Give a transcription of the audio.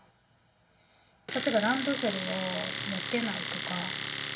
例えばランドセルを持てないとか。